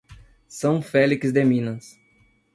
São Félix de Minas